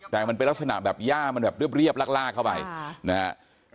แต่มันเป็นลักษณะแบบย่ามันแบบเรียบลากเข้าไปนะครับ